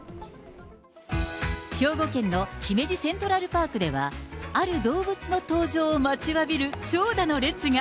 兵庫県の姫路セントラルパークでは、ある動物の登場を待ちわびる長蛇の列が。